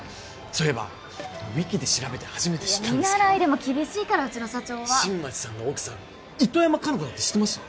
そういえばウィキで調べて初めて知ったんですけどいや見習いでも厳しいからうちの社長は新町さんの奥さん糸山果奈子だって知ってました？